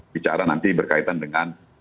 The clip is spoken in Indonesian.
bicara nanti berkaitan dengan